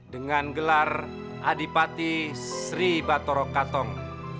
dengan gelar adipati sri batoro katong